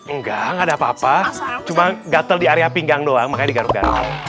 enggak ada apa apa cuma gatel di area pinggang doang makanya